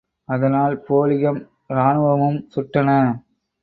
அதனால், போலீகம், ராணுவமும் சுட்டன.